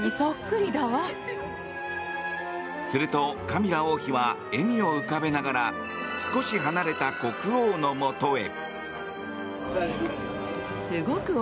すると、カミラ王妃は笑みを浮かべながら少し離れた国王のもとへ。